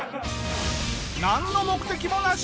なんの目的もなし！